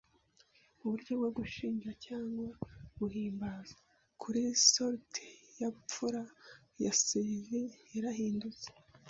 muburyo bwo gushinja cyangwa guhimbaza. Kuri salut yubupfura ya silver yarahindutse.